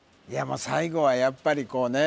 もう最後はやっぱりこうね